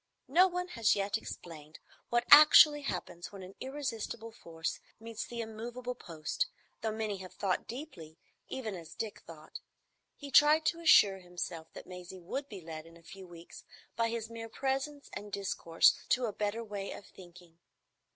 No one has yet explained what actually happens when an irresistible force meets the immovable post, though many have thought deeply, even as Dick thought. He tried to assure himself that Maisie would be led in a few weeks by his mere presence and discourse to a better way of thinking.